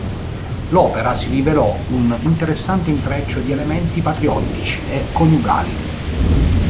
L'opera si rivelò un interessante intreccio di elementi patriottici e coniugali.